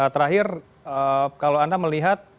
terakhir kalau anda melihat